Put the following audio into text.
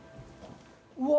うわ！